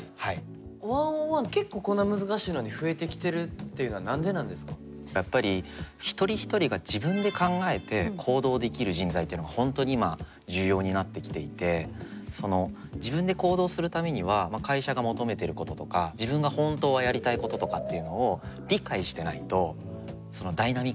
１ｏｎ１結構こんな難しいのにやっぱり一人一人が自分で考えて行動できる人材っていうのが本当に今重要になってきていてその自分で行動するためには会社が求めていることとか自分が本当はやりたいこととかっていうのを理解してないとダイナミックに動けないじゃないですか。